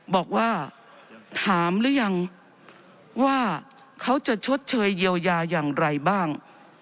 บอกว่าถามหรือยังว่าเขาจะชดเชยเยียวยาอย่างไรบ้าง